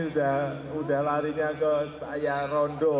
ini udah larinya ke saya rondo